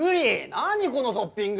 何⁉このトッピング！